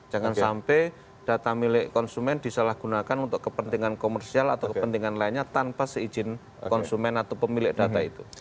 jangan sampai data milik konsumen disalahgunakan untuk kepentingan komersial atau kepentingan lainnya tanpa seizin konsumen atau pemilik data itu